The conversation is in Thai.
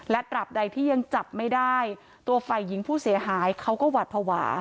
ตราบใดที่ยังจับไม่ได้ตัวฝ่ายหญิงผู้เสียหายเขาก็หวัดภาวะ